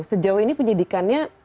sejauh ini penyidikannya